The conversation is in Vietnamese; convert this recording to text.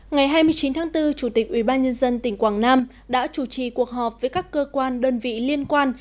ngày hai mươi chín tháng bốn chủ tịch ubnd tỉnh quảng nam đã chủ trì cuộc họp với các cơ quan đơn vị liên quan